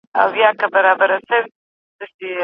باطل تل د خلکو تر منځ بې غوري راولي.